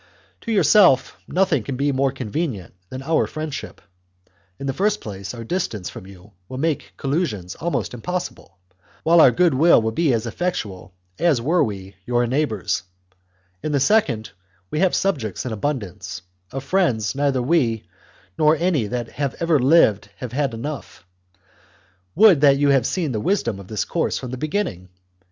To yourself, nothing can be more convenient than our friendship ; in the first place, our distance from you will make collisions almost impossible, while our goodwill will be as effectual as were we your neighbours ; in the second, we have subjects in abundance, of friends neither we nor any that ever lived have had enough. Would that you had seen the wisdom of this course from the beginning